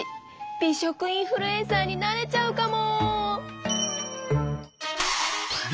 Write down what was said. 「美食インフルエンサー」になれちゃうかも！